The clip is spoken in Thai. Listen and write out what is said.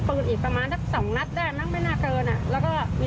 แล้วก็เอาคนร้ายลงมาแล้วก็เอาขึ้นกระบะแล้วก็ขับรถไป